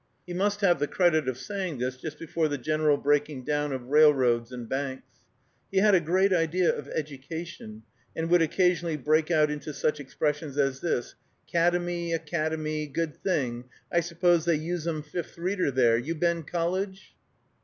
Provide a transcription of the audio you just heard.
He must have the credit of saying this just before the general breaking down of railroads and banks. He had a great idea of education, and would occasionally break out into such expressions as this, "Kademy a cad e my good thing I suppose they usum Fifth Reader there.... You been college?"